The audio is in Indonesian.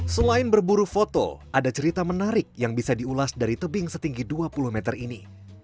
selain berburu foto ada cerita menarik yang bisa diulas dari tebing setinggi dua puluh meter ini